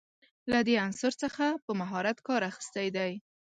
له دې عنصر څخه په مهارت کار اخیستی دی.